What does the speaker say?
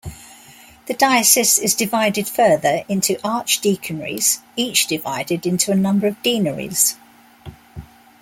The diocese is divided further into archdeaconries, each divided into a number of deaneries.